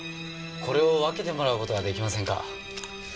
これを分けてもらう事は出来ませんか？